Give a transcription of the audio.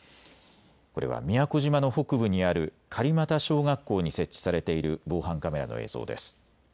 これは宮古島の北部にある狩俣小学校に設置されている防犯カメラの映像です。